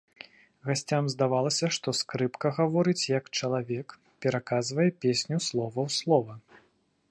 Гасцям здавалася, што скрыпка гаворыць, як чалавек, пераказвае песню слова ў слова.